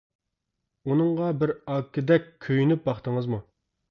ئۇنىڭغا بىر ئاكىدەك كۆيۈنۈپ باقتىڭىزمۇ؟ !